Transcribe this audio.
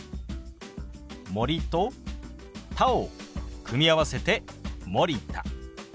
「森」と「田」を組み合わせて「森田」。